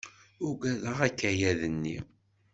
Uggadeɣ akayad-nni.